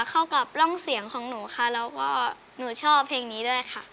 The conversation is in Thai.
เข้ากับร่องเสียงของหนูค่ะแล้วก็หนูชอบเพลงนี้ด้วยค่ะ